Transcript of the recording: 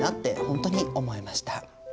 本当に思いました。